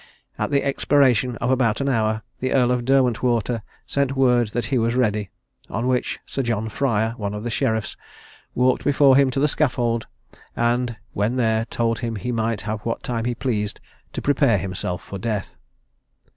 At the expiration of about an hour, the Earl of Derwentwater sent word that he was ready; on which sir John Fryer, one of the sheriffs, walked before him to the scaffold, and, when there, told him he might have what time he pleased to prepare himself for death.